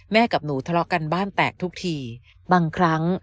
กับหนูทะเลาะกันบ้านแตกทุกทีบางครั้ง